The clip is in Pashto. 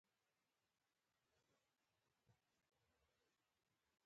دوی خپله ګټه پیژني.